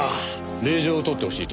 令状を取ってほしいと。